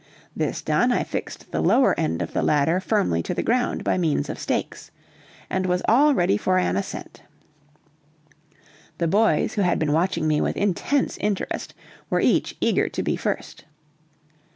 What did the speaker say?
This done, I fixed the lower end of the ladder firmly to the ground by means of stakes, and was all ready for an ascent. The boys, who had been watching me with intense interest, were each eager to be first.